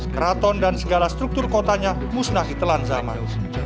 keraton dan segala struktur kotanya musnah ditelan zaman